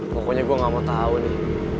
pokoknya gua gak mau tau nih